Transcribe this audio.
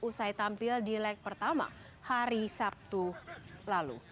usai tampil di leg pertama hari sabtu lalu